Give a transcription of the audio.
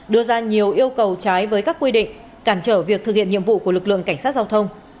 đưa ra nhiều yêu cầu trái với các quy định cản trở việc thực hiện nhiệm vụ của lực lượng cảnh sát giao thông